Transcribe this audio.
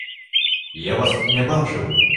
Я вас не бачыў!